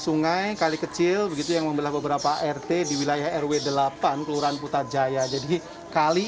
sungai kali kecil begitu yang membelah beberapa rt di wilayah rw delapan kelurahan putrajaya jadi kali